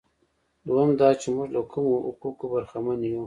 دویم دا چې موږ له کومو حقوقو برخمن یو.